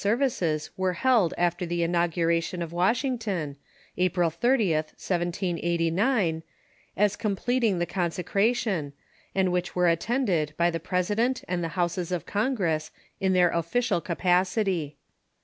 services were held after the inauguration of Wash 01 the Church » ington, April 30th, 1789, as completing the con secration, and which were attended by the President and the Houses of Congress in their ofiicial capacity.